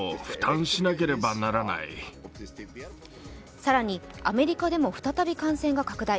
更にアメリカでも再び感染が拡大。